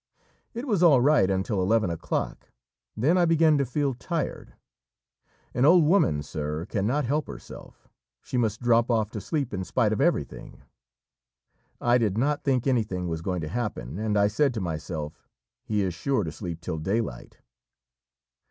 It was all right until eleven o'clock, then I began to feel tired. An old woman, sir, cannot help herself she must drop off to sleep in spite of everything. I did not think anything was going to happen, and I said to myself, 'He is sure to sleep till daylight.'